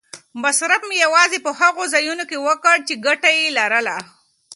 مصرف مې یوازې په هغو ځایونو کې وکړ چې ګټه یې لرله.